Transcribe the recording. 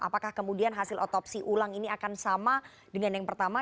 apakah kemudian hasil otopsi ulang ini akan sama dengan yang pertama